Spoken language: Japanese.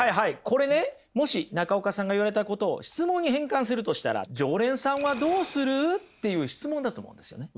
これねもし中岡さんが言われたことを質問に変換するとしたら「常連さんはどうする？」っていう質問だと思うんですよね。